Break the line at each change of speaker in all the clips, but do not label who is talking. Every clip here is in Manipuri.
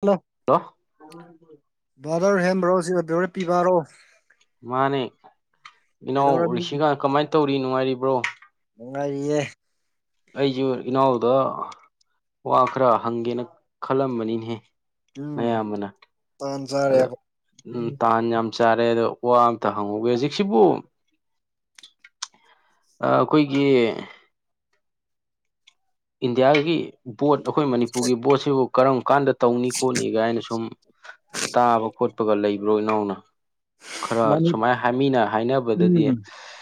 ꯍꯜꯂꯣ
ꯍꯜꯂꯣ
ꯚꯗꯔ ꯍꯦꯟꯕ꯭ꯔꯣ ꯁꯤꯕꯔ ꯄꯤꯕꯥꯔꯣ
ꯃꯥꯅꯦ ꯏꯅꯥꯎ
ꯀꯩꯗꯧꯔꯝꯃꯤ
ꯔꯤꯁꯤꯒ ꯀꯃꯥꯏꯅ ꯇꯧꯔꯤ ꯅꯨꯡꯉꯥꯏꯔꯤꯕ꯭ꯔꯣ
ꯅꯨꯡꯉꯥꯏꯔꯤꯌꯦ
ꯑꯩꯁꯨ ꯏꯅꯥꯎꯗ ꯋꯥ ꯈꯔ ꯍꯪꯒꯦꯅ ꯈꯜꯂꯝꯕꯅꯤꯍ
ꯎꯝ
ꯑꯌꯥꯝꯕꯅ
ꯇꯥꯟ
ꯑꯗꯣ
ꯆꯥꯔꯦꯕ
ꯎ
ꯎꯝ
ꯇꯥꯟ ꯌꯥꯝ ꯆꯥꯔꯦ ꯑꯗꯣ ꯋꯥ ꯑꯃꯝꯇ ꯍꯪꯍꯧꯒꯦ ꯍꯧꯖꯤꯛꯁꯤꯕꯨ ꯑꯩꯈꯣꯏꯒꯤ ꯏꯟꯗꯤꯌꯥꯒꯤ ꯕꯣꯠ ꯑꯩꯈꯣꯏ ꯃꯅꯤꯄꯨꯔꯒꯤ ꯕꯣꯠꯁꯤꯕꯨ ꯀꯔꯝ ꯀꯥꯟꯗ ꯇꯧꯅꯤ ꯈꯣꯠꯅꯤꯒꯥꯏꯅ ꯁꯨꯝ ꯇꯥꯕ ꯈꯣꯠꯄꯒ ꯂꯩꯕ꯭ꯔꯣ ꯏꯅꯥꯎꯅ ꯈꯔ
ꯃꯅꯤ
ꯁꯨꯃꯥꯏ ꯍꯥꯏꯃꯤꯅ ꯍꯥꯏꯅꯕꯗꯗꯤ
ꯎꯝ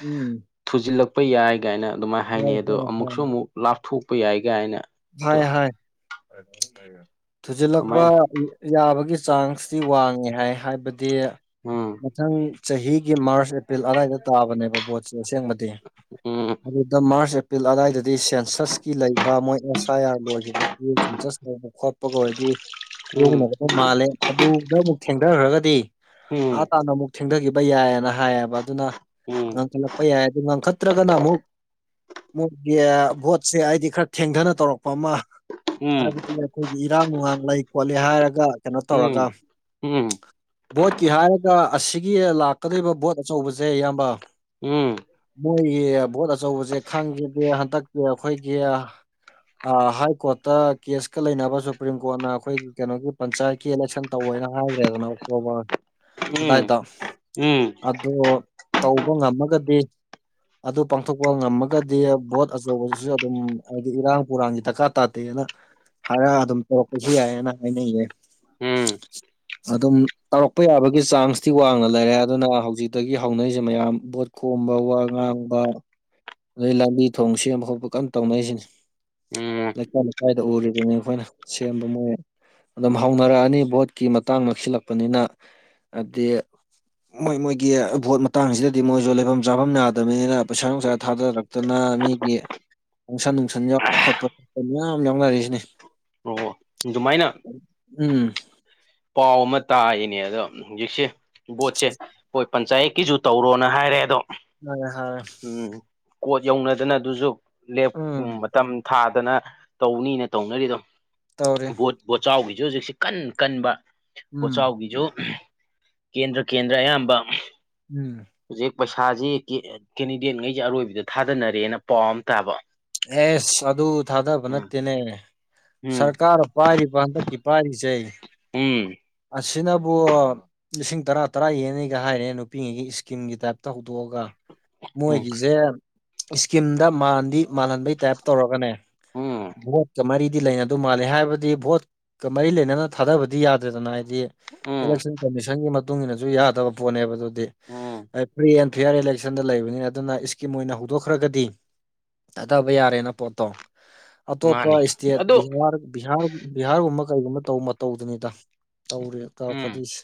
ꯎꯝ
ꯊꯨꯖꯤꯜꯂꯛꯄ ꯌꯥꯏ ꯀꯥꯏꯅ ꯑꯗꯨꯃꯥꯏꯅ
ꯍꯣꯏ
ꯍꯥꯏꯅꯩ ꯑꯗꯣ
ꯍꯣꯏ ꯍꯣꯏ
ꯑꯃꯨꯛꯁꯨ ꯑꯃꯨꯛ ꯂꯥꯞꯊꯣꯛꯄ ꯌꯥꯏ ꯀꯥꯏꯅ ꯑꯗꯣ
ꯍꯥꯏ ꯍꯥꯏ ꯊꯨꯖꯤꯜꯂꯛꯄꯥ
ꯀꯃꯥꯏ
ꯌꯥꯕꯒꯤ ꯆꯥꯡꯁꯇꯤ ꯋꯥꯡꯉꯦ ꯍꯥꯏ ꯍꯥꯏꯕꯗꯤ
ꯎꯝ
ꯃꯊꯪ ꯆꯍꯤꯒꯤ ꯃꯥꯔꯁ ꯑꯦꯄ꯭ꯔꯤꯜ ꯑꯋꯥꯏꯗ ꯇꯥꯕꯅꯦꯕ ꯕꯣꯠꯁꯦ ꯑꯁꯦꯡꯕꯗꯤ
ꯎꯝ
ꯑꯗꯨꯗ ꯃꯥꯔꯁ ꯄꯄꯤꯜ ꯑꯗꯥꯋꯥꯏꯗꯗꯤ ꯁꯦꯟꯁꯁꯀꯤ ꯂꯩꯕ ꯃꯣꯏ ꯑꯦꯁ ꯑꯥꯏ ꯑꯥꯔ ꯂꯣꯏꯈꯤꯕꯒꯤ ꯁꯦꯟꯁꯁ ꯇꯧꯕ ꯈꯣꯠꯄꯒ ꯑꯣꯏꯗꯤ
ꯑꯣ
ꯂꯌꯧꯅꯕꯗ ꯃꯥꯜꯂꯦ ꯑꯗꯨꯗ ꯑꯃꯨꯛ ꯊꯦꯡꯊꯈ꯭ꯔꯒꯗꯤ ꯑꯥ ꯇꯥꯅ ꯑꯃꯨꯛ ꯊꯦꯡꯊꯈꯤꯕ ꯌꯥꯏꯌꯦꯅ ꯍꯥꯏꯌꯦꯕ ꯑꯗꯨꯅ
ꯎꯝ
ꯉꯥꯡꯈꯠꯂꯛꯄ ꯌꯥꯏ ꯑꯗꯨ ꯉꯥꯡꯈꯠꯇ꯭ꯔꯒꯅ ꯑꯃꯨꯛ ꯃꯣꯏꯒꯤ ꯚꯣꯠꯁꯦ ꯍꯥꯏꯗꯤ ꯈꯔ ꯊꯦꯡꯊꯅ ꯇꯧꯔꯛꯄ ꯑꯃ ꯍꯥꯏꯕꯗꯤ ꯑꯩꯈꯣꯏꯒꯤ ꯏꯔꯥꯡ ꯅꯨꯡꯉꯥꯡ ꯂꯩ ꯈꯣꯠꯂ ꯍꯥꯏꯔꯒ ꯀꯩꯅꯣ ꯇꯧꯔꯒ ꯕꯣꯠꯀꯤ ꯍꯥꯏꯔꯒ ꯑꯁꯤꯒꯤ ꯂꯥꯛꯀꯗꯧꯕ ꯕꯣꯠ ꯑꯆꯧꯕꯁꯦ ꯏꯌꯥꯝꯕ
ꯎꯝ
ꯃꯣꯏꯒꯤ ꯚꯣꯠ ꯑꯆꯧꯕꯁꯦ ꯈꯪꯈꯤꯗꯦ ꯍꯟꯗꯛꯀꯤ ꯑꯩꯈꯣꯏꯒꯤ ꯍꯥꯏ ꯀꯣꯔꯠꯇ ꯀꯦꯁꯀ ꯂꯩꯅꯕ ꯁꯨꯄ꯭ꯔꯤꯝ ꯀꯣꯔꯠꯅ ꯑꯩꯈꯣꯏꯒꯤ ꯀꯩꯅꯣꯒꯤ ꯄꯟꯆꯥꯌꯦꯠ ꯑꯦꯂꯦꯛꯁꯟ ꯇꯧ ꯍꯥꯏꯅ ꯍꯥꯏꯈ꯭ꯔꯦꯗꯅ ꯑꯣꯛꯇꯣꯕꯔ ꯑꯗꯨꯗꯥꯏꯗ ꯑꯗꯣ ꯇꯧꯕ ꯉꯝꯃꯒꯗꯤ ꯑꯗꯨ ꯄꯥꯡꯊꯣꯛꯄ ꯉꯝꯃꯒꯗꯤ ꯚꯣꯠ ꯑꯆꯧꯕꯁꯤꯁꯨ ꯑꯗꯨꯝ ꯏꯔꯥꯡ ꯄꯨꯔꯥꯡꯒꯤ ꯗꯔꯀꯥꯔ ꯇꯥꯗꯦꯅ ꯍꯥꯏꯔ ꯑꯗꯨꯝ ꯇꯧꯔꯛꯄꯁꯨ ꯌꯥꯏꯌꯦꯑꯅ ꯍꯥꯏꯅꯤꯡꯉꯦ [inaudible] ꯑꯗꯨꯝ ꯇꯧꯔꯛꯄ ꯌꯥꯕꯒꯤ ꯆꯥꯡꯁꯇꯤ ꯋꯥꯡꯅ ꯂꯩꯔꯦ ꯑꯗꯨꯅ ꯍꯧꯖꯤꯛꯇꯒꯤ ꯍꯧꯅꯔꯤꯁꯦ ꯃꯌꯥꯝ ꯕꯣꯠ ꯈꯣꯝꯕ ꯋꯥ ꯉꯥꯡꯕ ꯑꯗꯩ ꯂꯝꯕꯤ ꯊꯣꯡ ꯁꯦꯝꯕ ꯈꯥꯎꯄ ꯀꯔꯝ ꯇꯧꯅꯔꯤꯁꯤꯅꯤ ꯂꯩꯀꯥꯏ ꯂꯩꯀꯥꯏꯗ ꯎꯔꯤꯗꯨꯅꯦ ꯑꯩꯈꯣꯏꯅ ꯁꯦꯝꯕ ꯃꯣꯏ ꯑꯗꯨꯝ ꯍꯧꯅꯔꯛꯑꯅꯤ ꯚꯣꯠꯀꯤ ꯃꯇꯥꯡ ꯅꯛꯁꯤꯜꯂꯛꯄꯅꯤꯅ ꯍꯥꯏꯗꯤ ꯃꯣꯏ ꯃꯣꯏꯒꯤ ꯚꯣꯠ ꯃꯇꯥꯡꯁꯤꯗꯗꯤ ꯃꯣꯏꯁꯨ ꯂꯩꯐꯝ ꯆꯥꯐꯝ ꯌꯥꯗꯕꯅꯤꯅ ꯄꯩꯁꯥ ꯅꯨꯡꯁꯥ ꯊꯥꯗꯔꯛꯇꯨꯅ ꯃꯤꯒꯤ ꯅꯨꯡꯁꯟ ꯅꯨꯡꯁꯟ ꯌꯥꯎꯕ ꯈꯣꯠꯄ ꯈꯣꯠꯄ ꯃꯌꯥꯝ ꯌꯥꯎꯅꯔꯤꯁꯤꯅꯦ
ꯑꯗꯨꯃꯥꯏꯅ
ꯎꯝ
ꯄꯥꯎ ꯑꯃ ꯇꯥꯏꯌꯦꯅꯦ ꯑꯗꯣ ꯍꯧꯖꯤꯛꯁꯦ ꯕꯣꯠꯁꯦ ꯍꯣꯏ ꯄꯟꯆꯥꯌꯦꯠꯀꯤꯁꯨ ꯇꯧꯔꯣꯅ ꯍꯥꯏꯔꯦ ꯑꯗꯣ
ꯍꯥꯏꯔꯦ ꯍꯥꯏꯔꯦ
ꯎꯝ ꯀꯣꯠ ꯌꯧꯅꯗꯅ ꯑꯗꯨꯁꯨ ꯂꯦꯞ
ꯎꯝ
ꯃꯇꯝ ꯊꯥꯗꯅ ꯇꯧꯅꯤꯅ ꯇꯧꯅꯔꯤꯗꯣ
ꯇꯧꯔꯤ
ꯚꯣꯠ ꯕꯣꯠꯆꯥꯎꯒꯤꯁꯨ ꯍꯧꯖꯤꯛꯁꯤ ꯀꯟ ꯀꯟꯕ
ꯎꯝ
ꯕꯣꯠꯆꯥꯎꯒꯤꯁꯨ ꯀꯦꯟꯗ꯭ꯔ ꯀꯦꯟꯗ꯭ꯔ ꯑꯌꯥꯝꯕ
ꯎꯝ
ꯍꯧꯖꯤꯛ ꯄꯩꯁꯥꯁꯤ ꯀꯦꯟꯗꯤꯗꯦꯠꯉꯩꯁꯤꯦ ꯑꯔꯣꯏꯕꯗ ꯊꯥꯗꯅꯔꯦꯅ ꯄꯥꯎ ꯑꯃ ꯇꯥꯕ
ꯑꯦꯁ ꯑꯗꯨ ꯊꯥꯗꯕ
ꯎꯝ
ꯅꯠꯇꯦꯅꯦ
ꯎꯝ
ꯁꯔꯀꯥꯔ [unintelligible]
ꯎꯝ
ꯑꯁꯤꯅꯕꯨ ꯂꯤꯁꯤꯡ ꯇꯔꯥ ꯇꯔꯥ ꯌꯦꯟꯅꯤꯩꯒ ꯍꯥꯏꯔꯦ ꯅꯨꯄꯤꯉꯩꯒꯤ ꯏꯁꯀꯤꯟꯒꯤ ꯇꯥꯏꯞꯇ ꯍꯧꯗꯣꯛꯑꯒ
ꯎꯝ
ꯃꯣꯏꯒꯤꯁꯦ ꯏꯁꯀꯤꯝꯗ ꯃꯥꯟꯗꯤ ꯃꯥꯜꯍꯟꯕꯩ ꯇꯥꯏꯞ ꯇꯧꯔꯒꯅꯦ
ꯎꯝ
ꯀꯔꯤꯗꯤ ꯂꯥꯏꯅ ꯑꯗꯨ ꯃꯥꯜꯂꯦ ꯍꯥꯏꯕꯗꯤ ꯚꯣꯠꯀ ꯃꯔꯤ ꯂꯩꯅꯅ ꯊꯥꯗꯕꯗꯤ ꯌꯥꯗ꯭ꯔꯦꯗꯅ ꯍꯥꯏꯗꯤ
ꯎꯝ
ꯏꯂꯦꯛꯁꯟ ꯀꯃꯤꯁꯟꯒꯤ ꯃꯇꯨꯡ ꯏ ꯃꯇꯨꯡꯏꯟꯅꯁꯨ ꯌꯥꯗꯕ ꯄꯣꯠꯅꯦꯕ ꯑꯗꯨꯗꯤ
ꯎꯝ
ꯐ꯭ꯔꯤ ꯑꯦꯟ ꯐꯤꯌꯥꯔ ꯏꯂꯦꯛꯁꯟꯗ ꯂꯩꯕꯅꯤꯅ ꯑꯗꯨꯅ ꯏꯁꯀꯤꯝ ꯑꯣꯏꯅ ꯍꯧꯗꯣꯛꯈ꯭ꯔꯒꯗꯤ ꯊꯥꯊꯕ ꯌꯥꯔꯦꯅ ꯄꯣꯠꯇꯣ ꯑꯇꯣꯞꯄ
ꯃꯥꯅꯤ
ꯏꯁꯇꯦꯠ
ꯑꯗꯨ
ꯕꯤꯍꯥꯔ ꯕꯤꯍꯥꯔ ꯕꯤꯍꯥꯔꯒꯨꯝꯕ ꯀꯩꯒꯨꯝꯕ ꯇꯧ ꯃꯇꯧꯗꯨꯅꯤꯗ ꯇꯧꯔꯤ
ꯎꯝ
ꯇꯧꯔꯛꯀꯗꯣꯏꯁꯦ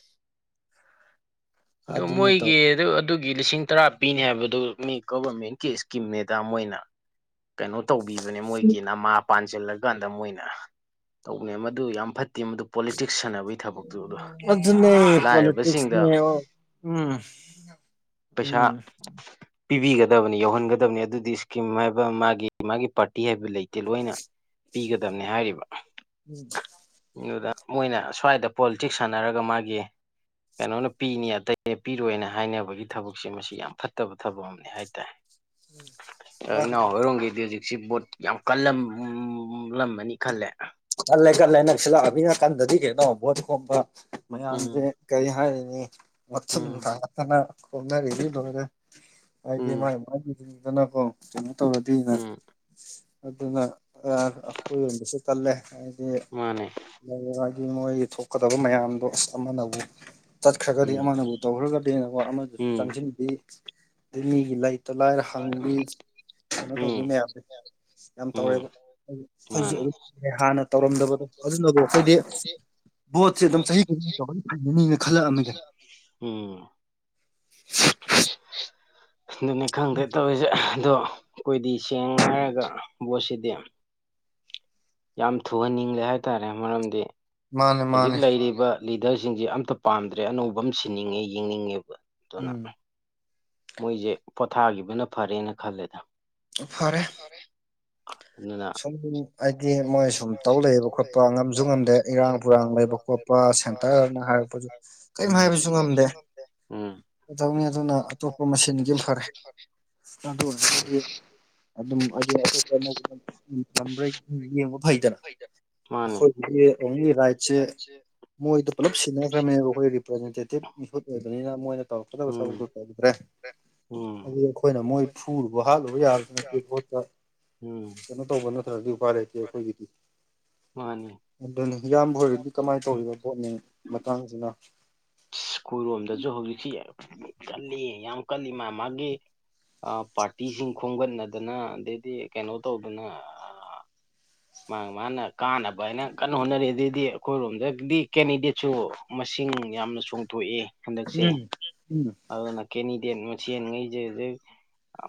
ꯑꯣ
ꯑꯗꯨꯅꯤ ꯇꯧ
ꯃꯣꯏꯒꯤ ꯑꯗꯨ ꯑꯗꯨꯒꯤ ꯂꯤꯁꯤꯡ ꯇꯔꯥ ꯄꯤꯅꯤ ꯍꯥꯏꯕꯗꯨꯅꯤ ꯒꯣꯚꯔꯃꯦꯟꯀꯤ ꯏꯁꯀꯤꯝꯅꯦꯗ ꯃꯣꯏꯅ ꯀꯩꯅꯣ ꯇꯧꯕꯤꯕꯅꯦ ꯃꯣꯏꯒꯤ ꯅꯃꯥ ꯄꯥꯟꯁꯤꯜꯂꯒ ꯀꯥꯟꯗ ꯃꯣꯏꯅ ꯇꯧꯕꯅꯦ ꯃꯗꯨ ꯌꯥꯝ ꯐꯠꯇꯦ ꯃꯗꯨ ꯄꯣꯂꯤꯇꯤꯛꯁ ꯁꯥꯟꯅꯕ
ꯑꯗꯨ ꯑꯗꯨ ꯅ ꯄꯣꯂꯤꯇꯤꯁ
ꯂꯥꯏꯔꯕꯁꯤꯡꯗ
ꯅ ꯎꯝ
ꯄꯩꯁꯥ
ꯎꯝ
ꯄꯤꯕꯤꯒꯗꯕꯅꯤ ꯌꯧꯍꯟꯒꯗꯕꯅꯤ ꯑꯗꯨꯗꯤ ꯏꯁꯀꯤꯝ ꯍꯥꯏꯕ ꯃꯥꯒꯤ ꯃꯥꯒꯤ ꯄꯥꯔꯇꯤ ꯍꯥꯏꯕ ꯂꯩꯇꯦ ꯂꯣꯏꯅ ꯄꯤꯒꯗꯕꯅꯤ ꯍꯥꯏꯔꯤꯕ
ꯎꯝ
ꯑꯗꯨꯗ ꯃꯣꯏꯅ ꯁ꯭ꯋꯥꯏꯗ ꯄꯣꯂꯤꯇꯤꯛꯁ ꯁꯥꯟꯅꯔꯒ ꯃꯥꯒꯤ ꯀꯩꯅꯣꯅ ꯄꯤꯅꯤ ꯑꯇꯩ ꯂꯦꯞꯄꯤꯔꯣꯅ ꯍꯥꯏꯅꯕꯒꯤ ꯊꯕꯛꯁꯦ ꯃꯁꯤ ꯌꯥꯝ ꯐꯠꯇꯕ ꯊꯕꯛ ꯑꯃꯅꯤ ꯍꯥꯏꯇꯥꯔꯦ ꯑꯩꯅ ꯑꯣꯏꯔꯣꯡꯒꯤꯗꯤꯖꯤ ꯁꯤ ꯕꯣꯠ ꯌꯥꯝ ꯀꯜꯂꯝꯂꯝꯃꯅꯤ ꯈꯜꯂꯦ
ꯀꯠ ꯂꯩ ꯀꯠ ꯂꯩꯅꯛꯁꯤ ꯂꯥꯛꯑꯃꯤ ꯅꯥꯀꯟꯗꯗꯤ ꯀꯩꯅꯣ ꯚꯣꯠꯀꯣꯕ ꯃꯌꯥꯝꯁꯦ
ꯎꯝ
ꯀꯔꯤ ꯍꯥꯏꯔꯤꯅꯤ
ꯎꯝ
ꯃꯊꯊꯠꯇꯅ ꯍꯣꯅꯔꯤꯗꯤ ꯂꯣꯏꯔꯦ ꯍꯥꯏꯗꯤ
ꯎꯝ
ꯃꯥꯏ ꯃꯒꯤꯗꯨꯅꯤꯗꯅꯀꯣ ꯀꯩꯅꯣ ꯇꯧꯔꯗꯤꯅ
ꯎꯝ
ꯑꯗꯨꯅꯈꯏꯔꯣꯟꯕꯁꯨ ꯇꯜꯂꯦ ꯍꯥꯏꯗꯤ
ꯃꯥꯅꯦ
ꯑ ꯃꯥꯒꯤ ꯃꯣꯏꯒꯤ ꯊꯣꯛꯀꯗꯕ ꯃꯌꯥꯝꯗꯣ ꯑꯃꯅꯕꯨ ꯆꯠꯈ꯭ꯔꯒꯗꯤ
ꯎꯝ
ꯑꯃꯅꯕꯨ ꯇꯧꯈ꯭ꯔꯒꯗꯤꯕ ꯑꯃꯗꯨꯁꯨ
ꯎꯝ
ꯆꯪꯁꯤꯟꯕꯤ ꯑꯗꯩ ꯃꯤꯒꯤ ꯂꯩꯇ ꯂꯥꯏꯔ ꯍꯪꯕꯤ ꯀꯩꯅꯣ ꯇꯧꯕꯤ
ꯎꯝ
ꯃꯌꯥꯝꯁꯦ ꯌꯥꯝ
ꯎꯝ
ꯇꯧꯔꯦꯕ ꯑꯩꯈꯣꯏꯁꯨ
ꯃꯥꯅꯦ
ꯑꯗꯨꯝ ꯍꯥꯟꯅ ꯇꯧꯔꯝꯗꯕꯗꯣ ꯑꯗꯨꯅꯕꯨ ꯍꯥꯏꯈꯣꯏꯗꯤ ꯕꯣꯠꯁꯦ ꯑꯗꯨꯝ ꯆꯍꯤ ꯈꯨꯗꯤꯡ ꯇ ꯐꯒꯅꯤꯅ ꯈꯜꯂꯛꯑꯝꯃꯤꯒ
ꯎꯝ [unintelligible] ꯑꯗꯨꯅꯤ ꯈꯪꯗꯦ ꯇꯧꯔꯤꯁꯦ ꯑꯗꯣ ꯑꯩꯈꯣꯏꯗꯤ ꯁꯦꯡꯅ ꯍꯥꯏꯔꯒ ꯕꯣꯠꯁꯤꯗꯤ ꯌꯥꯝ ꯊꯨꯍꯟꯅꯤꯡꯂꯦ ꯍꯥꯏꯇꯥꯔꯦ ꯃꯔꯝꯗꯤ
ꯃꯥꯅꯦ
ꯍꯧꯖꯤꯛ
ꯃꯥꯅꯦ
ꯂꯩꯔꯤꯕ ꯂꯤꯗꯔꯁꯤꯡꯁꯦ ꯑꯝꯇ ꯄꯥꯝꯗ꯭ꯔꯦ ꯑꯅꯧꯕ ꯑꯃ ꯁꯤꯟꯅꯤꯡꯉꯦ ꯌꯦꯡꯅꯤꯡꯉꯦꯕ ꯑꯗꯨꯅ
ꯎꯝ
ꯃꯣꯏꯁꯦ ꯄꯣꯊꯥꯈꯤꯕꯅ ꯐꯔꯦꯅ ꯈꯜꯂꯦꯗ
ꯐꯔꯦ
[unintelligible]
ꯎ ꯑꯩꯗꯤ ꯃꯣꯏ ꯁꯨꯝ ꯇꯧ ꯂꯩꯕ ꯈꯣꯠꯄ ꯉꯝꯁꯨ ꯉꯝꯗꯦ ꯏꯔꯥꯡ ꯄꯨꯔꯥꯡ ꯂꯩꯕ ꯈꯣꯠꯄ ꯁꯦꯟꯇꯔꯅ ꯍꯥꯏꯔꯛꯄꯁꯨ
ꯎꯝ ꯎꯝ
ꯗꯧꯅꯤ ꯑꯗꯨꯅ ꯑꯇꯣꯞꯄ ꯃꯦꯟꯒꯤ ꯐꯔꯦ ꯑꯗꯨ ꯑꯣꯏꯔꯒꯗꯤ ꯑꯗꯨꯝ ꯑꯩ ꯎ ꯇꯝꯕ꯭ꯔꯩ ꯌꯦꯡꯕ ꯐꯩꯗꯅ
ꯃꯥꯅꯦ
ꯑꯩꯈꯣꯏꯗꯤ ꯑꯣꯡꯂꯤ ꯔꯥꯏꯠꯁꯦ ꯃꯣꯏꯗ ꯄꯨꯂꯞ ꯁꯤꯟꯅꯈ꯭ꯔꯕꯅꯦꯕ ꯑꯩꯈꯣꯏ ꯔꯤꯄ꯭ꯔꯖꯦꯟꯇꯦꯇꯤꯞ ꯃꯤꯍꯨꯠ ꯑꯣꯏꯕꯅꯤꯅ ꯃꯣꯏꯅ ꯇ ꯄꯒ ꯁ
ꯎꯝ
ꯇ ꯇꯗ꯭ꯔꯦ
ꯎꯝ
ꯑꯗꯨꯗꯤ ꯑꯩꯈꯣꯏꯅ ꯃꯣꯏ ꯐꯨꯔꯨꯕ ꯍꯥꯠꯂꯨꯕ ꯌꯥꯕꯗꯤ ꯅꯠꯇꯦ ꯈꯣꯠꯇ
ꯎꯝ
ꯀꯩꯅꯣ ꯇꯧꯕ ꯅꯠꯇ꯭ꯔꯗꯤ ꯎꯄꯥꯏ ꯂꯩꯇꯦ ꯑꯩꯈꯣꯏꯒꯤꯗꯤ
ꯃꯥꯅꯦ
ꯑꯗꯨꯅꯤ ꯏꯌꯥꯝꯕ ꯑꯣꯏꯔꯗꯤ ꯀꯃꯥꯏꯅ ꯇꯧꯔꯤꯕ ꯕꯣꯠꯅꯤꯡ ꯃꯇꯥꯡꯁꯤꯅ
ꯁ꯭ꯀꯨꯜ ꯂꯣꯝꯗꯁꯨ ꯍꯧꯖꯤꯛꯁꯤ ꯌꯥꯝ ꯃꯤ ꯀꯜꯂꯤ ꯌꯥꯝ ꯀꯜꯂꯤ ꯃꯥ ꯃꯥꯒꯤ ꯄꯥꯔꯇꯤꯁꯤꯡ ꯈꯣꯝꯒꯠꯅꯗꯅ ꯑꯗꯩꯗꯤ ꯀꯩꯅꯣ ꯇꯧꯗꯅ
[unintelligible]
ꯃꯥ ꯃꯥꯅ ꯀꯥꯟꯅꯕ ꯍꯥꯏꯅ ꯀꯟꯅ ꯍꯣꯠꯅꯔꯤ ꯑꯗꯨꯗꯗꯤ ꯑꯩꯈꯣꯏꯔꯣꯝꯗꯗꯤ ꯀꯦꯟꯗꯤꯗꯦꯠꯁꯨ ꯃꯁꯤꯡ ꯌꯥꯝꯅ ꯆꯣꯡꯊꯣꯛꯏ ꯍꯟꯗꯛꯁꯦ
ꯎꯝ
ꯑꯗꯨꯅ ꯀꯦꯟꯗꯤꯗꯦꯠ ꯃꯁꯦꯟꯈꯩꯁꯦ ꯍꯧꯖꯤꯛ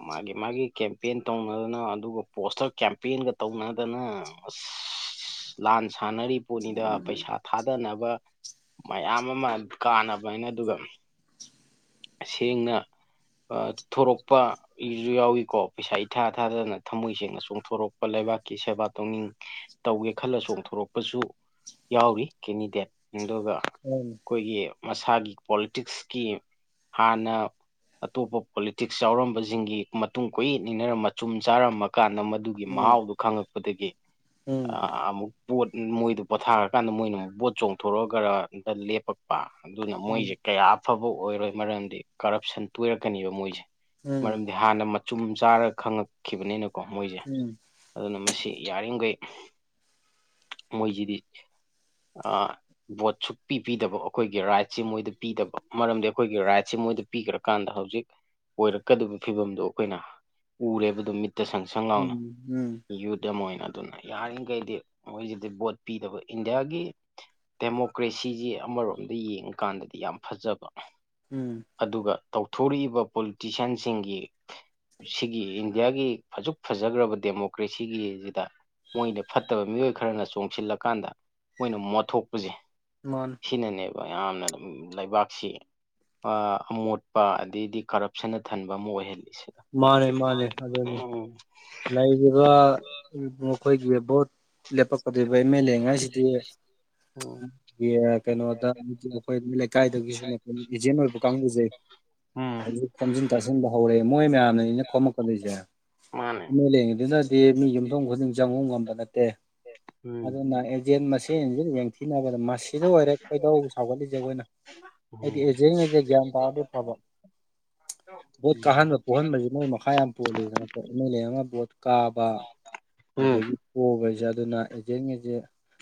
ꯃꯥꯒꯤ ꯃꯥꯒꯤ ꯀꯦꯝꯄꯦꯟ ꯇꯧꯅꯗꯅ ꯑꯗꯨꯒ ꯄꯣꯁꯇꯔ ꯀꯦꯝꯄꯦꯟꯒ ꯇꯧꯅꯗꯅ ꯑꯁ ꯂꯥꯟ ꯁꯥꯟꯅꯔꯤ ꯄꯣꯠꯅꯤꯗ ꯄꯩꯁꯥ ꯊꯥꯗꯅꯕ ꯃꯌꯥꯝ ꯑꯃ ꯀꯥꯟꯅꯕꯅꯤꯅ ꯑꯗꯨꯒ ꯁꯦꯡꯅ ꯊꯣꯔꯛꯄ ꯏꯁꯨ ꯌꯥꯎꯏꯀꯣ ꯄꯩꯁꯥ ꯏꯊꯥ ꯊꯥꯗꯗꯅ ꯊꯝꯃꯣꯏ ꯁꯦꯡꯅ ꯆꯣꯡꯊꯣꯔꯛꯄ ꯂꯩꯕꯥꯛꯀꯤ ꯁꯦꯕꯥ ꯇꯧꯅꯤꯡ ꯇꯧꯒꯦ ꯈꯜꯂ ꯆꯣꯡꯊꯣꯔꯛꯄꯁꯨ ꯌꯥꯎꯔꯤ ꯀꯦꯟꯗꯤꯗꯦꯠ ꯑꯗꯨꯒ
ꯎꯝ
ꯑꯩꯈꯣꯏꯒꯤ ꯃꯁꯥꯒꯤ ꯄꯣꯂꯤꯇꯤꯛꯁꯀꯤ ꯍꯥꯟꯅ ꯑꯇꯣꯞꯄ ꯄꯣꯂꯤꯇꯤꯛꯁ ꯌꯥꯎꯔꯝꯕꯁꯤꯡꯒꯤ ꯃꯇꯨꯡ ꯀꫭꯌꯦꯠ ꯏꯟꯅꯔ ꯃꯆꯨꯝ ꯆꯥꯔꯝꯃ ꯀꯥꯟꯗ ꯃꯗꯨ ꯒꯤ
ꯎꯝ
ꯃꯍꯥꯎꯗꯨ ꯈꯪꯉꯛꯄꯗꯒꯤ
ꯎꯝ
ꯑꯥ ꯑꯃꯨꯛ ꯄꯣꯠ ꯃꯣꯏꯗꯨ ꯄꯣꯊꯥꯔꯀꯥꯟꯗ ꯃꯣꯏꯅ ꯑꯃꯨꯛ ꯕꯣꯠ ꯆꯣꯡꯊꯣꯔꯛꯑꯒꯔꯗ ꯂꯦꯞꯄꯛ ꯑꯗꯨꯅ ꯃꯣꯏꯁꯦ ꯀꯌꯥ ꯑꯐꯕ ꯑꯣꯏꯔꯣꯏ ꯃꯔꯝꯗꯤ ꯀꯔꯞꯁꯟ ꯇꯣꯏꯔꯛꯀꯅꯤꯕ ꯃꯣꯏꯁꯦ
ꯎꯝ
ꯃꯔꯝꯗꯤ ꯍꯥꯟꯅ ꯃꯆꯨꯝ ꯆꯥꯔꯒ ꯈꯪꯉꯛꯈꯤꯕꯅꯤꯅꯀꯣ ꯃꯣꯏꯁꯦ
ꯎꯝ
ꯑꯗꯨꯅ ꯃꯁꯤ ꯌꯥꯔꯤꯈꯩ ꯃꯣꯏꯁꯤꯗꯤ ꯑꯥ ꯚꯣꯠꯁꯨ ꯁꯨꯡꯄꯤ ꯄꯤꯕꯤꯗꯕ ꯑꯩꯈꯣꯏꯒꯤ ꯔꯥꯏꯠꯁꯦ ꯃꯣꯏꯗ ꯄꯤꯗꯕ ꯃꯔꯝꯗꯤ ꯑꯩꯈꯣꯏꯒꯤ ꯔꯥꯏꯠꯁꯦ ꯃꯣꯏꯗ ꯄꯤꯈ꯭ꯔꯀꯥꯟꯗ ꯍꯧꯖꯤꯛ ꯑꯣꯏꯔꯛꯀꯗꯕ ꯐꯤꯕꯝꯗꯣ ꯑꯩꯈꯣꯏꯅ ꯎꯔꯦꯕ ꯑꯗꯨꯝ ꯃꯤꯠꯇ ꯁꯪ ꯁꯪ ꯂꯥꯎꯅ
ꯎꯝ ꯎꯝ ꯎꯝ
ꯌꯨꯠ ꯑꯃ ꯑꯣꯏꯅ ꯑꯗꯨꯅ ꯌꯥꯔꯤꯈꯩꯗꯤ ꯃꯣꯏꯁꯤꯗꯤ ꯚꯣꯠ ꯄꯤꯗꯕ ꯏꯟꯗꯤꯌꯥꯒꯤ ꯗꯦꯃꯣꯀ꯭ꯔꯦꯁꯤꯁꯤ ꯑꯃꯔꯣꯝꯗ ꯌꯦꯡꯉꯀꯥꯟꯗꯗꯤ ꯌꯥꯝ ꯐꯖꯕ
ꯎꯝ
ꯑꯗꯨꯒ ꯇꯧꯊꯣꯔꯛꯏꯕ ꯄꯣꯂꯤꯇꯤꯁꯤꯌꯥꯟꯁꯤꯡꯒꯤ ꯁꯤꯒꯤ ꯏꯟꯗꯤꯌꯥꯒꯤ ꯑꯁꯨꯛ ꯐꯖꯈ꯭ꯔꯥꯕ ꯗꯦꯃꯣꯀ꯭ꯔꯦꯁꯤꯒꯤꯁꯤꯗ ꯃꯣꯏꯅ ꯐꯠꯇꯕ ꯃꯤꯑꯣꯏ ꯈꯔꯅ ꯆꯣꯡꯁꯤꯜꯂꯀꯥꯟꯗ ꯃꯣꯏꯅ ꯃꯣꯠꯊꯣꯛꯄꯁꯦ
ꯃꯥꯟꯅ‌ꯦ
ꯁꯤꯅꯅꯦꯕ ꯌꯥꯝꯅ ꯑꯗꯨꯝ ꯂꯩꯕꯥꯛꯁꯤ ꯑꯃꯣꯠꯄ ꯑꯗꯩꯗꯤ ꯀꯔꯞꯁꯟꯅ ꯊꯟꯕ ꯑꯃ ꯑꯣꯏꯍꯜꯂꯤꯁꯦ
ꯃꯥꯅꯦ ꯃꯥꯅꯦ ꯑꯗꯨꯗꯤ ꯂꯩꯔꯤꯕ ꯃꯈꯣꯏꯒꯤ ꯚꯣꯠ ꯂꯦꯄꯛ ꯀ ꯚ ꯃ [unintelligible] ꯑ‌ꯦꯃ‌ꯦꯂ‌ꯦꯉꯥꯏ ꯁꯤꯗꯤ
ꯎꯝ
ꯀꯩꯅꯣꯗ ꯑꯗꯨꯒꯤ ꯃꯈꯣꯏ ꯂꯩꯀꯥꯏꯗꯒꯤꯁꯨꯅꯩꯅ [unintelligible] ꯑꯦꯖꯦꯟ ꯑꯣꯏꯕ ꯀꯥꯡꯕꯨꯖꯩ
ꯎꯝ
ꯍꯧꯖꯤꯛ ꯈꯣꯝꯖꯤꯟ ꯇꯥꯁꯤꯟꯕ ꯍꯧꯔꯛꯑꯦ ꯃꯣꯏ ꯃꯌꯥꯝꯅ ꯅꯅꯤꯅ‌ꯦ ꯈꯣꯝꯃꯛꯀꯗꯣꯏꯁꯦ
ꯃꯥꯅꯦ
ꯂꯉꯤꯗꯨꯅꯗꯤ [unintelligible] ꯃꯤ ꯌꯨꯝꯊꯣꯡ ꯈꯨꯗꯤꯡ ꯆꯪꯉꯨ ꯉꯝꯕ ꯅꯠꯇꯦ
ꯎꯝ
ꯑꯗꯨꯅ ꯑꯦꯖꯦꯟ ꯃꯁꯦꯟꯁꯤ ꯌꯦꯡꯊꯤꯅꯕꯗ ꯃꯁꯤꯗ ꯑꯣꯏꯔꯦ ꯈꯣꯏꯗꯧ ꯁꯥꯎꯒꯠꯂꯤꯁꯦ ꯑꯩꯈꯣꯏꯅ ꯍꯥꯏꯗꯤ
ꯎꯝ
ꯑꯦꯖꯦꯟ ꯒꯩꯖ‌ꯦ ꯒ꯭ꯌꯥꯟ ꯇꯥꯔꯗꯤ ꯐꯕ ꯕꯣꯠ
ꯎꯝ
ꯀꯥꯍꯟꯕ ꯄꯣꯛꯍꯟꯕꯁꯤ ꯃꫭꯏ ꯃꯈꯥ ꯌꯥꯝ ꯄꯣꯜꯂꯤꯗꯅꯀꫭ ꯑ‌ꯦꯃ‌ꯦꯂ‌ꯦ ꯑꯃ ꯕꯣꯠ ꯀꯥꯕ
ꯎꯝ
ꯑꯗꯨꯗꯒꯤ ꯄꫭꯕꯁꯦ ꯑꯗꯨꯅ ꯑꯦꯖꯦꯟꯒꯩꯁꯦ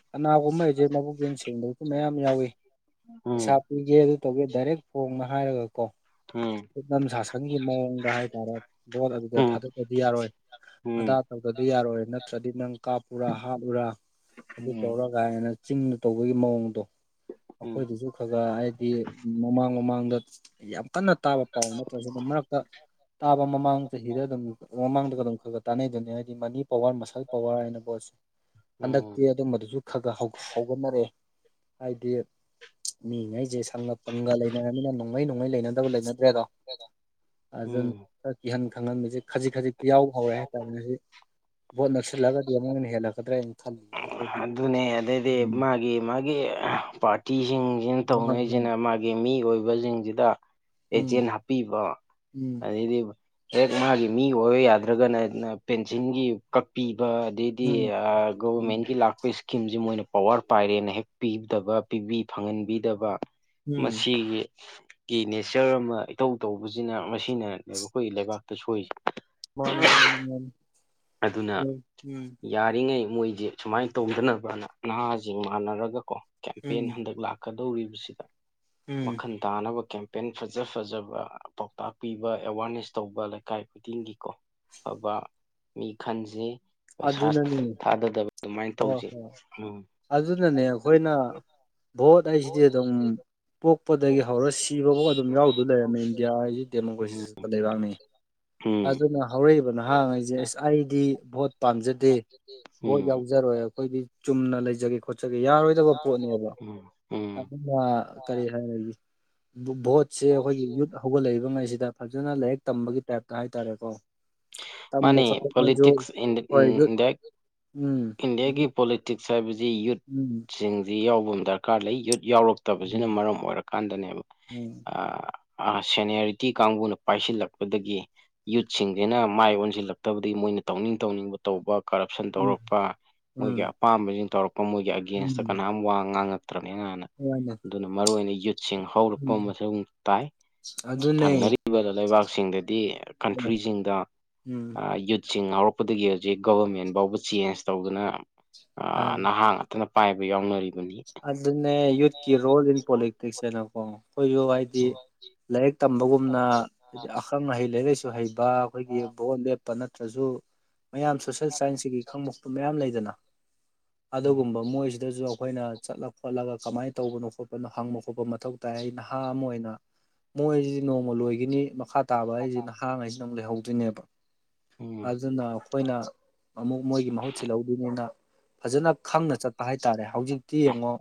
ꯀꯅꯥꯒꯨꯝꯕ ꯑ‌ꯦꯖ‌ꯦꯟ ꯃꯕꯨꯛꯆ‌ꯦꯟ ꯁꯦꯡꯗꯕꯁꯨ ꯃꯌꯥꯝ ꯌꯥꯎꯏꯤ ꯄꯩꯁꯥ
ꯎꯝ
ꯄꯤꯒꯦ ꯑꯗꯨ ꯇꯧꯒꯦ ꯗꯥꯏꯔꯦꯛ ꯐꯣꯡꯅ ꯍꯥꯏꯔꯒ ꯀꯣ
ꯎꯝ
ꯁꯨꯞꯅꯝ ꯁꯥꯁꯟꯒꯤ ꯃꯑꯣꯡꯗ ꯍꯥꯏꯇꯥꯔꯦ ꯚꯣꯠ ꯑꯗꯨꯗ
ꯎꯝ
ꯊꯥꯗꯔꯥꯗꯤ ꯌꯥꯔꯣꯏ ꯑꯗꯥ
ꯎꯝ
ꯇꯧꯗꯔꯗꯤ ꯌꯥꯔꯣꯏ ꯅꯠꯇ꯭ꯔꯗꯤ ꯅꯪ ꯀꯥꯞꯄꯨꯔꯥ ꯍꯥꯠꯂꯨꯔꯥ ꯑꯗꯨ ꯇꯧꯔ
ꯎꯝ
ꯀꯥꯏꯅ ꯆꯤꯡꯗ ꯇꯧꯕꯒꯤ ꯃꯑꯣꯡꯗꯣ ꯑꯩꯈꯣꯏꯗꯁꯨ ꯈꯒꯔꯥꯍꯥꯏꯗꯤ ꯃꯃꯥꯡ ꯃꯃꯥꯡꯗ ꯌꯥꯝ ꯀꯟꯅ ꯇꯥꯕ ꯄꯥꯎ ꯅꯠꯇ꯭ꯔꯁꯨ ꯃꯔꯛꯇ ꯇꯥꯕ ꯃꯃꯥꯡ ꯆꯍꯤꯗ ꯑꯗꯨꯝ ꯃꯃꯥꯡꯗꯒ ꯑꯗꯨꯝ ꯈꯔ ꯈꯔ ꯇꯥꯟꯅꯩꯗꯅ ꯍꯥꯏꯗꯤ ꯃꯅꯤ ꯄꯋꯥꯔ ꯄꯁꯥꯜ ꯄꯋꯥꯔ ꯍꯥꯏꯅ ꯀꫭ ꯍꯟꯗꯛꯇꯤ
ꯎꯝ
ꯑꯗꯨꯝꯕꯗꯨꯁꯨ ꯈꯥꯔ ꯈꯔꯥ ꯍꯧꯒꯠꯅꯔꯛꯑꯦ ꯑꯥꯏꯗꯤ ꯃꯤꯉꯩꯁꯦ ꯁꯪꯒ ꯄꯪꯒ ꯂꯩꯅꯔꯕꯅꯤꯅ ꯅꯣꯡꯃꯩ ꯅꯣꯡꯃꯩ ꯂꯩꯅꯗꯕ ꯂꯩꯅꯗ꯭ꯔꯦꯗꯣ ꯑꯗꯨꯅ
ꯎꯝ
ꯈꯔ ꯀꯤꯍꯟ ꯈꯪꯍꯟꯕꯕꯁꯤ ꯈꯖꯤꯛ ꯈꯖꯤꯛꯇꯤ ꯌꯥꯎꯕ ꯍꯧꯔꯦ ꯍꯥꯏꯇꯥꯥꯔꯦꯅꯦ ꯚꯣꯠ ꯅꯞꯁꯤꯜꯂꯒꯗꯤ ꯑꯃꯨꯛ ꯍꯟꯅ ꯍꯦꯜꯂꯛꯀꯗ꯭ꯔꯥꯅ ꯈꯜꯂꯤꯌꯦ ꯑꯩꯈꯣꯏꯒꯤ
ꯑꯗꯨꯅꯦ ꯑꯗꯩꯗꯤ
ꯎꯝ
ꯃꯥꯒꯤ ꯃꯥꯒꯤ ꯄꯥꯔꯇꯤꯁꯤꯡꯁꯤꯅ
ꯍꯣꯏ ꯍꯣꯏ
ꯇꯧꯅꯔꯤꯁꯤꯅ ꯃꯥꯒꯤ ꯃꯤ ꯑꯣꯏꯕꯁꯤꯡꯁꯤꯗ
ꯎꯝ
ꯑꯦꯖꯦꯟ ꯄꯤꯕ
ꯎꯝ
ꯑꯗꯩꯗꯤꯕ ꯍꯦꯛ ꯃꯥꯒꯤ ꯃꯤ ꯑꯣꯏꯌꯨ ꯌꯥꯗ꯭ꯔꯒꯅꯅ ꯄꯦꯟꯁꯤꯟꯒꯤ ꯀꯛꯄꯤꯕ ꯑꯗꯩꯗꯤ
ꯎꯝ
ꯑ
ꯎꯝ
ꯒꯕꯔꯃꯦꯟꯒꯤ ꯂꯥꯛꯄ ꯏꯁ ꯀꯤꯝꯖꯤ ꯃꯣꯏꯅ ꯄꯋꯥꯔ ꯄꯥꯏꯔꯦꯅ ꯍꯦꯛ ꯄꯤꯗꯕ ꯄꯤꯕꯤ ꯐꯪꯍꯟꯕꯤꯗꯕ
ꯎꯝ
ꯃꯁꯤꯒꯤ ꯀꯤ ꯅꯦꯆꯔ ꯑꯃ ꯏꯇꯧ ꯇꯧꯕꯖꯤꯅ ꯃꯁꯤꯅꯅꯦꯕ ꯑꯩꯈꯣꯏꯒꯤ ꯂꯩꯕꯥꯛꯇ ꯁꯣꯏꯔꯤꯖꯦ
ꯃꯥꯅꯦ ꯃꯥꯅꯦ ꯃꯥꯅꯦ
ꯑꯗꯨꯅ
ꯎꯝ ꯎꯝ
ꯌꯥꯔꯤꯉꯩ ꯃꯣꯏꯖꯦ ꯁꯨꯃꯥꯏꯅ ꯇꯧꯗꯅꯕꯅ ꯅꯍꯥꯖꯤꯡ ꯃꯥꯟꯅꯔꯒ ꯀꯣ ꯀꯦꯝꯄꯦꯟ
ꯎꯝ
ꯍꯟꯗꯛ ꯂꯥꯛ ꯀꯗꯧꯔꯤꯕꯁꯤꯗ
ꯎꯝ
ꯋꯥꯈꯟ ꯇꯥꯅꯕ ꯀꯦꯝꯄꯦꯟ ꯐꯖ ꯐꯖꯕ ꯄꯥꯎꯇꯥꯛ ꯄꯤꯕ ꯑꯦꯋꯥꯔꯅꯦꯁ ꯇꯧꯕ ꯂꯩꯀꯥꯏ ꯈꯨꯗꯤꯡꯒꯤ ꯀꯣ ꯐꯥꯕ ꯃꯤ ꯈꯟꯖꯤ ꯄꯩꯁꯥ
ꯑꯗꯨꯅꯅꯦ
ꯊꯥꯗꯗꯕ ꯑꯗꯨꯃꯥꯏꯅ
ꯍꯣꯏ
ꯇꯧꯖꯦ
ꯍꯣꯏ
ꯎꯝ
ꯑꯗꯨꯅꯅꯦ ꯑꯈꯣꯏꯅ ꯚꯣꯠ ꯍꯥꯏꯖꯤꯗꯤ ꯑꯗꯨꯝ ꯄꯣꯛꯄꯗꯒꯤ ꯍꯧꯔ ꯁꯤꯕꯕꯧꯁ ꯑꯗꯨꯝ ꯌꯥꯎꯗꯧ ꯂꯩꯔꯝꯃꯦ ꯏꯟꯗꯤꯌꯥ ꯍꯥꯏꯁꯤ ꯗꯦꯃꯣꯀ꯭ꯔꯦꯁꯤ
ꯎꯝ
ꯆꯠꯄ ꯂꯩꯕꯥꯛꯅꯤ
ꯎꯝ
ꯑꯗꯨꯅ ꯍꯧꯔꯛꯏꯕ ꯅꯍꯥꯟꯉꯩꯁꯦ ꯑꯁ ꯑꯩꯗꯤ ꯚꯣꯠ ꯄꯥꯝꯖꯗꯦ ꯚꯣꯠ ꯌꯥꯎ
ꯎꯝ
ꯖꯔꯣꯏ ꯑꯩꯈꯣꯏꯗꯤ ꯆꯨꯝꯅ ꯂꯩꯖꯒꯦ ꯈꯣꯠꯆꯒꯦ ꯌꯥꯔꯣꯏꯗꯕ ꯄꯣꯠꯅꯦꯕ
ꯎꯝ ꯎꯝ
ꯑꯗꯨꯅ ꯀꯔꯤ ꯍꯥꯏꯔꯖꯤ ꯚꯣꯠ ꯁꯦ ꯑꯩꯈꯣꯏꯒꯤ ꯌꯨꯠ ꯍꯧꯒꯠꯂꯛꯏꯕꯉꯩꯖꯤꯗ ꯐꯖꯅ ꯂꯥꯏꯔꯤꯛ ꯇꯝꯕꯒꯤ ꯇꯥꯏꯞꯇ ꯍꯥꯏꯇꯥꯔꯦꯀꯣ ꯇꯝꯕ
ꯃꯥꯅꯦ
ꯈꯣꯠꯄꯥ ꯃꯣꯏꯖꯨ
ꯄꯣꯂꯤꯇꯤꯛꯁ
ꯍꯣꯏ ꯌꯨꯠ
ꯏꯟꯗꯤꯌꯥ
ꯎꯝ
ꯏꯟꯗꯤꯌꯥꯒꯤ
ꯌꯨꯠ
ꯄꯣꯂꯤꯇꯤꯛꯁ ꯍꯥꯏꯕꯁꯤ
ꯎꯝ
ꯌꯨꯠꯁꯤꯡꯖꯤ ꯌꯥꯎꯕ ꯑꯃ ꯗꯔꯀꯥꯔ ꯂꯩ ꯌꯨꯠ ꯌꯥꯎꯔꯛ ꯇꯕꯖꯤꯅ ꯃꯔꯝ ꯑꯣꯏꯔꯀꯥꯟꯗꯅꯦꯕ
ꯎꯝ
ꯑ ꯑꯥ ꯁꯦꯅꯤꯌꯔꯤꯇꯤ ꯀꯥꯡꯕꯨꯅ ꯄꯥꯏꯁꯤꯜꯂꯛꯄꯗꯒꯤ ꯌꯨꯠꯁꯤꯡꯖꯤꯅ ꯃꯥꯏ ꯑꯣꯟꯖꯤꯜꯂꯛꯇꯕꯗꯤ ꯃꯣꯏꯅ ꯇꯧꯅꯤꯡ ꯇꯧꯅꯤꯡꯕ ꯇꯧꯕ ꯀꯔꯞꯁꯟ
ꯎꯝ
ꯇꯧꯔꯛꯄ ꯃꯣꯏꯒꯤ
ꯎꯝ
ꯑꯄꯥꯝꯕꯁꯤꯡ ꯇꯧꯔꯛꯄ ꯃꯣꯏꯒꯤ ꯑꯒꯦꯟꯁꯇ ꯀꯅꯥꯝ ꯋꯥ ꯉꯥꯡꯉꯛ ꯇ꯭ꯔꯝꯅꯤꯅꯅ
ꯍꯣꯏꯅꯦ
ꯑꯗꯨꯅ ꯃꯔꯨꯑꯣꯏꯅ ꯌꯨꯠꯁꯤꯡ ꯍꯧꯔꯛꯄ ꯑꯃꯁꯨꯡ ꯇꯥꯏ
ꯑꯗꯨꯅꯦ
ꯊꯪꯅꯔꯤꯕ ꯂꯩꯕꯥꯛꯁꯤꯡꯗꯗꯤ ꯀꯟꯇ꯭ꯔꯤꯖꯤꯡꯗ ꯑ
ꯎꯝ
ꯑ ꯌꯨꯠꯁꯤꯡ ꯍꯧꯔꯛꯄꯗꯒꯤ ꯍꯧꯖꯤꯛ ꯒꯣꯕꯔꯃꯦꯟꯕꯧꯕ ꯆꯦꯟꯖ ꯇꯧꯗꯅ ꯑꯥ ꯅꯍꯥ ꯉꯥꯛꯇꯅ ꯄꯥꯏꯕ ꯌꯥꯎꯅꯔꯤ
ꯑꯗꯨꯅꯦ ꯌꯨꯠꯀꯤ ꯔꯣꯜ ꯏꯟ ꯄꯣꯂꯤꯇꯤꯛꯁ ꯍꯥꯏꯅꯀꯣ ꯑꯩꯈꯣꯏꯖꯨ ꯍꯥꯏꯗꯤ ꯂꯥꯏꯔꯤꯛ ꯇꯝꯕꯒꯨꯝꯅ ꯍꯥꯏꯗꯤ ꯑꯈꯪ ꯑꯍꯩ ꯂꯥꯏꯔꯤꯛ ꯂꯥꯏꯁꯨ ꯍꯩꯕ ꯑꯩꯈꯣꯏꯒꯤ ꯚꯣꯠ ꯂꯦꯞꯄ ꯅꯠꯇ꯭ꯔꯖꯨ ꯃꯌꯥꯝ ꯁꯣꯁꯦꯜ ꯁꯥꯏꯟꯁꯀꯩꯀꯩ ꯈꯪꯕ ꯈꯣꯠꯄ ꯃꯌꯥꯝ ꯂꯩꯗꯅ
ꯎꯝ
ꯑꯗꯨꯒꯨꯝꯕ ꯃꯣꯏꯁꯤꯗꯖꯨ ꯑꯩꯈꯣꯏꯅ ꯆꯠꯂ ꯈꯣꯠꯂꯒ ꯀꯃꯥꯏꯟ ꯇꯧꯕꯅꯣ ꯈꯣꯠꯄꯅꯣ ꯍꯪꯕ ꯈꯣꯠꯄ ꯃꯊꯧ ꯇꯥꯏ ꯑꯩ ꯅꯍꯥ ꯑꯃ ꯑꯣꯏꯅ ꯃꯣꯏꯖꯤꯗꯤ ꯅꯣꯡꯃ ꯂꯣꯏꯒꯤꯅꯤ ꯃꯈꯥ ꯇꯥꯕ ꯍꯥꯏꯖꯤ ꯅꯍꯥꯡꯉꯩꯖꯤꯅ ꯑꯃꯨꯛ ꯂꯩꯍꯧꯗꯣꯏꯅꯦꯕ
ꯎꯝ
ꯑꯗꯨꯅ ꯑꯩꯈꯣꯏꯅ ꯑꯃꯨꯛ ꯃꯣꯏꯒꯤ ꯃꯍꯨꯠ ꯁꯤꯜꯍꯧꯗꯣꯏꯅꯤꯅ ꯐꯖꯅ ꯈꯪꯅ ꯆꯠꯄ ꯍꯥꯏꯇꯥꯔꯦ ꯍꯧꯖꯤꯛꯇꯤ ꯌꯦꯡꯉꯣ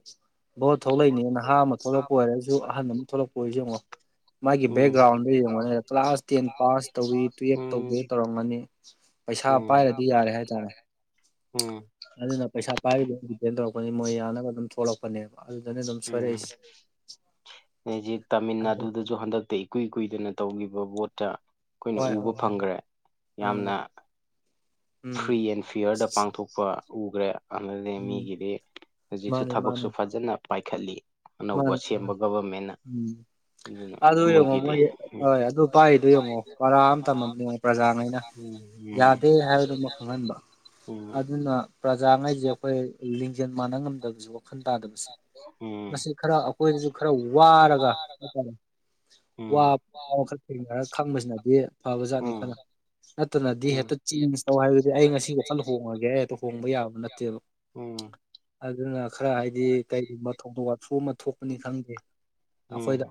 ꯚꯣꯠ ꯊꯣꯛꯂꯛꯏꯅꯦ ꯅꯍꯥ ꯑꯃ ꯊꯣꯛꯂꯛꯄ ꯑꯣꯏꯔꯖꯨ ꯑꯍꯟ ꯑꯃ ꯊꯣꯛꯂꯛꯄ ꯑꯣꯏꯔꯖꯨ ꯌꯦꯡꯉꯣ ꯃꯥꯒꯤ ꯕꯦꯛꯒ꯭ꯔꯥꯎꯟꯗꯣ ꯌꯦꯡꯉꯣꯅꯦ ꯀ꯭ꯂꯥꯁ ꯇꯦꯟ ꯄꯥꯁ ꯇꯧꯏꯤ ꯇꯨꯌꯦꯜꯕ ꯇꯧꯗꯦ ꯇꯧꯔꯝꯒꯅꯤ ꯄꯩꯁꯥ ꯄꯥꯏꯔꯗꯤ ꯌꯥꯔꯦ ꯍꯥꯏꯇꯥꯔꯦ
ꯎꯝ
ꯑꯗꯨꯅ ꯄꯩꯁꯥ ꯄꯥꯏꯕꯗꯨꯗ ꯗꯤꯄꯦꯟ ꯇꯧꯔꯛꯄꯅꯤ ꯃꯣꯏ ꯌꯥꯅꯕ ꯑꯗꯨꯝ ꯊꯣꯛꯂꯛꯄꯅꯦꯕ ꯑꯗꯨꯗꯅꯦ ꯑꯗꯨꯝ
ꯎꯝ
ꯁꯣꯏꯔꯛꯏꯁꯦ
ꯍꯦꯖꯤꯛ ꯇꯥꯃꯤꯜ
ꯑꯗꯨ
ꯅꯥꯗꯨꯗꯖꯨ ꯍꯟꯗꯛꯇꯩ ꯏꯀꯨꯏ ꯀꯨꯏꯗꯅ ꯇꯧꯒꯤꯕ ꯚꯣꯠꯇ ꯑꯩꯈꯣꯏꯅ
ꯍꯣꯏ
ꯎꯕ
ꯍꯣꯏ
ꯐꯪꯒ꯭ꯔꯦ ꯌꯥꯝꯅ
ꯎꯝ ꯎꯝ
ꯐ꯭ꯔꯤ ꯑꯦꯟ ꯐꯤꯌꯔꯗ ꯄꯥꯡꯊꯣꯛ ꯄ ꯎꯒ꯭ꯔꯦ ꯑꯗꯩꯗꯤ
ꯎꯝ
ꯃꯤꯒꯤꯗꯤ ꯍꯧꯖꯤꯛꯁꯨ
ꯃꯥꯅꯤ
ꯊꯕꯛꯁꯨ
ꯃꯥꯅꯤ
ꯐꯖꯅ ꯄꯥꯏꯈꯠꯂꯤ ꯑꯅꯧꯕ
ꯃꯥꯅꯤ
ꯁꯦꯝꯕ ꯒꯕꯔꯃꯦꯟꯅ
ꯎꯝ ꯑꯗꯨ ꯌꯦꯡꯉꯣ ꯃꯣꯏꯒꯤ ꯍꯣꯏ ꯑꯗꯨ ꯄꯥꯏꯗꯨ ꯌꯦꯡꯉꯣ ꯕꯔꯥ ꯑꯃ ꯇꯝꯃꯝ ꯌꯦꯡꯉꯣ ꯄ꯭ꯔꯖꯥꯉꯩꯅ
ꯎꯝ ꯎꯝ
ꯌꯥꯗꯦ ꯍꯥꯏꯕꯗꯨꯃ ꯈꯪꯍꯟꯕ
ꯎꯝ
ꯑꯗꯨꯅ ꯄ꯭ꯔꯖꯥꯉꯩꯁꯦ ꯑꯩꯈꯣꯏ ꯂꯤꯡꯖꯦꯜ ꯃꯥꯟꯅ ꯉꯝꯗꯕꯁꯨ ꯋꯥꯈꯜ ꯇꯥꯗꯕꯁꯨ
ꯎꯝ
ꯃꯁꯤ ꯈꯔ ꯑꯩꯈꯣꯏꯗꯁꯨ ꯈꯔ ꯋꯥꯔꯒ ꯍꯥꯏꯇꯥꯔꯦ ꯋꯥ
ꯎꯝ
ꯋꯥꯈꯜ ꯊꯦꯡꯅꯔ ꯈꯪꯕꯁꯤꯅꯗꯤ ꯐꯕ ꯖꯥꯠꯅꯤ
ꯎꯝ
ꯈꯜꯂ ꯅꯠꯇꯅꯗꯤ
ꯎꯝ
ꯍꯦꯛꯇ ꯆꯦꯟꯖ ꯇꯧ ꯍꯥꯏꯕꯗꯤ ꯑꯩ ꯉꯁꯤ ꯋꯥꯈꯜ ꯍꯣꯡꯉꯒꯦ ꯑꯩ ꯍꯦꯛꯇ ꯍꯣꯡꯕ ꯌꯥꯕ ꯅꯠꯇꯦꯕ
ꯑꯣ
ꯑꯗꯨꯅ ꯈꯔ ꯍꯥꯏꯗꯤ ꯀꯩꯒꯨꯝꯕ ꯊꯧꯗꯣꯛ ꯋꯥꯊꯣꯛ ꯑꯃ ꯊꯣꯛꯄꯅꯤ ꯈꯪꯗꯦ
ꯎꯝ
ꯑꯩꯈꯣꯏꯗ